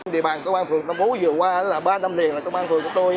địa bàn công an phường tà phú vừa qua là ba năm liền là công an phường của tôi